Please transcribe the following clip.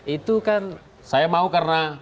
itu kan saya mau karena